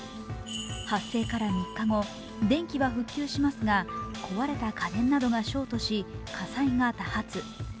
発生から３日後、電気は復旧しますが込まれた家電などがショートし火災が多発。